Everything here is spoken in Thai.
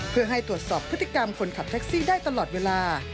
เพื่อให้ตรวจสอบพฤติกรรมคนขับแท็กซี่ได้ตลอดเวลา